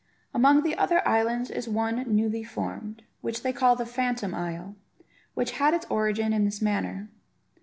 Among the other islands is one newly formed, which they call the Phantom Isle, which had its origin in this manner.